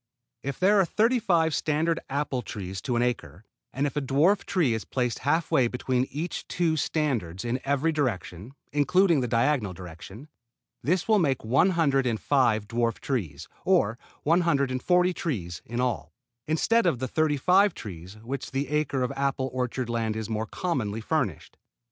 If there are thirty five standard apple trees to an acre, and if a dwarf tree is placed half way between each two standards in every direction, including the diagonal direction, this will make one hundred and five dwarf trees, or one hundred and forty trees in all, instead of the thirty five trees with which the acre of apple orchard land is more commonly furnished.